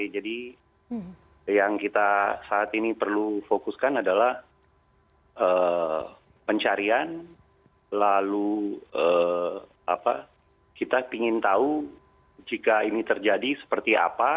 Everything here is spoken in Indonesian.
jadi yang kita saat ini perlu fokuskan adalah pencarian lalu kita ingin tahu jika ini terjadi seperti apa